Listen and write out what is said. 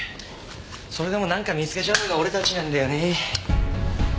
それでもなんか見つけちゃうのが俺たちなんだよね。